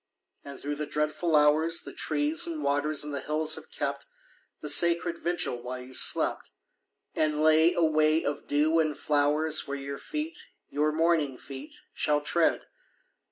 And through the dreadful hours The trees and waters and the hills have kept The sacred vigil while you slept, And lay a way of dew and flowers Where your feet, your morning feet, shall tread.